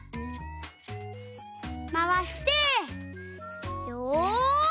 まわしてよお！